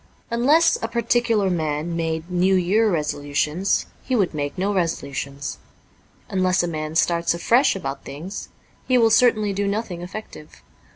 Unless a particular man made New Year resolutions, he would make no resolutions. Unless a man starts afresh about things, he will certainly do nothing effective.